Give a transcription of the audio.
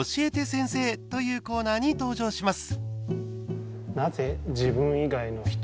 せんせい」というコーナーに登場します。